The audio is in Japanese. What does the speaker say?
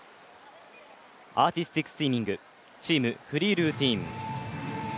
アーティスティックスイミングチーム・フリールーティーン。